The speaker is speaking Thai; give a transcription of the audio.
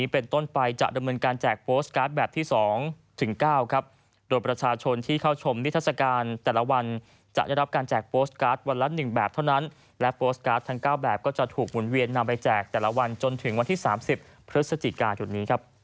โพสต์การ์ดทั้ง๙แบบก็จะถูกหมุนเวียนนำไปแจกแต่ละวันจนถึงวันที่๓๐พฤศจิกายน